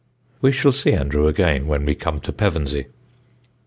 We shall see Andrew again when we come to Pevensey.